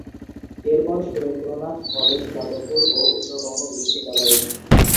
এরপর সুরেন্দ্রনাথ কলেজ, যাদবপুর ও উত্তরবঙ্গ বিশ্ববিদ্যালয়ে।